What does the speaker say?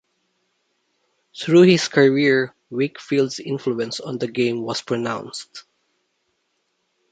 Through his career, Wakefield's influence on the game was pronounced.